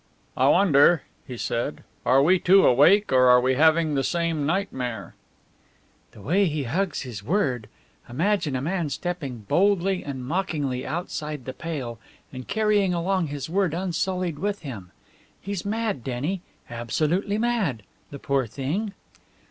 "I wonder," he said, "are we two awake, or are we having the same nightmare?" "The way he hugs his word! Imagine a man stepping boldly and mockingly outside the pale, and carrying along his word unsullied with him! He's mad, Denny, absolutely mad! The poor thing!"